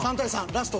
ラスト。